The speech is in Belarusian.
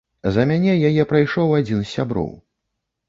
За мяне яе прайшоў адзін з сяброў.